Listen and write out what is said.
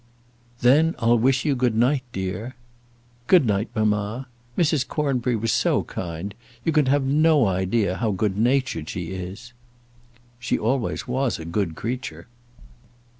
"Then I'll wish you good night, dear." "Good night, mamma. Mrs. Cornbury was so kind, you can have no idea how good natured she is." "She always was a good creature."